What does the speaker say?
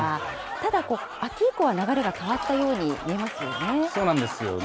ただ秋以降は流れが変わったように見えますよね。